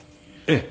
ええ。